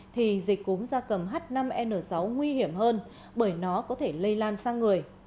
thì dịch cúm da cầm h năm n sáu nguy hiểm hơn bởi nó có thể lây lan sang người